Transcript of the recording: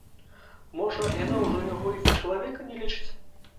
Можа, яна ўжо яго і за чалавека не лічыць?